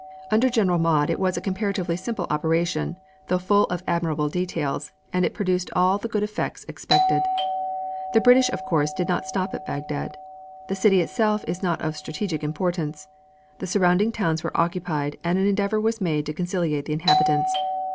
Under General Maude it was a comparatively simple operation, though full of admirable details, and it produced all the good effects expected. The British, of course, did not stop at Bagdad. The city itself is not of strategic importance. The surrounding towns were occupied and an endeavor was made to conciliate the inhabitants.